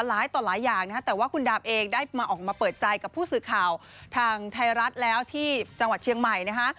หลายต่อหลายอย่างนะฮะแต่ว่าคุณดามเองได้มาออกมาเปิดใจกับผู้สื่อข่าวทางไทยรัฐแล้วที่จังหวัดเชียงใหม่นะคะ